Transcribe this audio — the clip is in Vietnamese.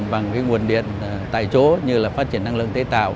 bằng nguồn điện tại chỗ như là phát triển năng lượng tái tạo